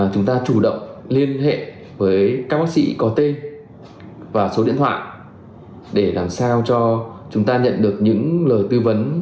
chúng ta chủ động liên hệ với các bác sĩ có tên và số điện thoại để làm sao cho chúng ta nhận được những lời tư vấn